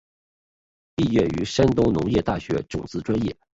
毕业于山东农业大学种子专业。